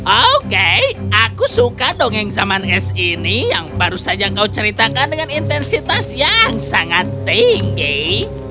oke aku suka dongeng saman es ini yang baru saja kau ceritakan dengan intensitas yang sangat tinggi